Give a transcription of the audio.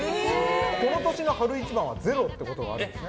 この年の春一番はゼロっていうことがあるんです。